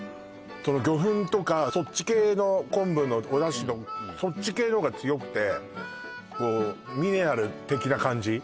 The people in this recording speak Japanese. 魚粉とかそっち系の昆布のお出汁のそっち系のが強くてこうミネラル的な感じ